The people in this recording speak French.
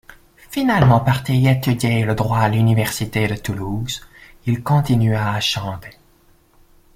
Finalement parti étudier le droit à l'université de Toulouse, il continua à chanter.